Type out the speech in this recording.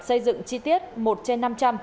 xây dựng chi tiết một trên năm trăm linh